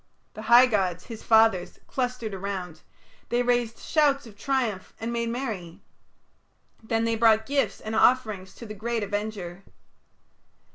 The high gods, his fathers, clustered around; they raised shouts of triumph and made merry. Then they brought gifts and offerings to the great Avenger.